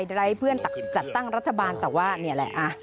ไร้เพื่อนจัดตั้งรัฐบาลแต่ว่านี่แหละ